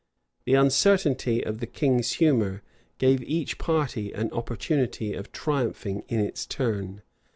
The uncertainty of the king's humor gave each party an opportunity of triumphing in its turn.